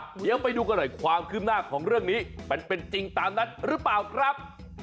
เดี๋ยวไปดูกันหน่อยความคืบหน้าของเรื่องนี้มันเป็นจริงตามนั้นหรือเปล่าครับ